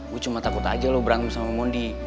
gue cuma takut aja lo berantem sama mondi